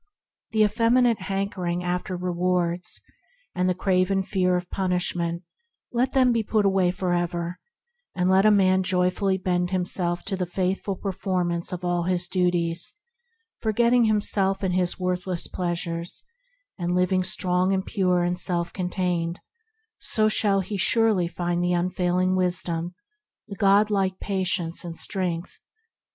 The effeminate hankering after rewards, and the craven fear of punishment, let them be put away for ever, and let a man joyfully bend himself to the faithful per formance of all his duties, forgetting himself and his worthless pleasures, and living strong and pure and self contained; so shall he surely find the Unfailing Wisdom, the God like Patience and strength.